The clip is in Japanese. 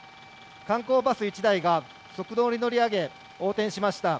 観光バス１台が側道に乗り上げ横転しました。